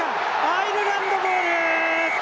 アイルランドボール！